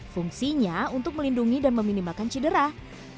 fungsinya untuk melindungi dan meminimalkan cedera